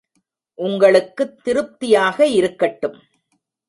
உங்களுக்குத் திருப்தியாக இருக்கட்டும்.